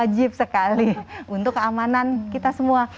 wajib sekali untuk keamanan kita semua